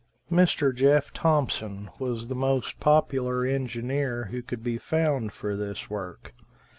Mr. Jeff Thompson was the most popular engineer who could be found for this work.